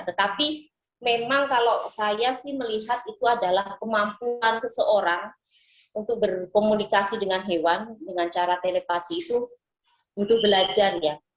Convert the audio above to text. tetapi memang kalau saya sih melihat itu adalah kemampuan seseorang untuk berkomunikasi dengan hewan dengan cara telepasi itu butuh belajar ya